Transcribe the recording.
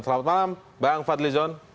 selamat malam bang fadli zon